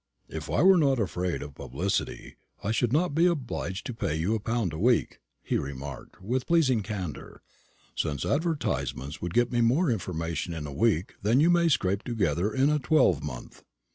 "If I were not afraid of publicity, I should not be obliged to pay you a pound a week," he remarked, with pleasing candour, "since advertisements would get me more information in a week than you may scrape together in a twelvemonth.